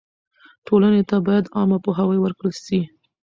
ټولنې ته باید عامه پوهاوی ورکړل سي.